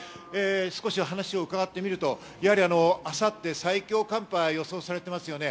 少し話を伺ってみると、やはり明後日、最強寒波が予想されてますよね。